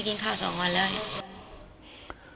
เดือนหนึ่งมาสักครั้งหนึ่ง